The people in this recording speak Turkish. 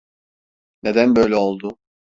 Neden böyle oldu?